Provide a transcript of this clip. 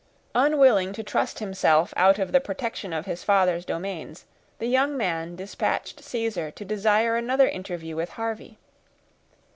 Unwilling to trust himself out of the protection of his father's domains, the young man dispatched Caesar to desire another interview with Harvey.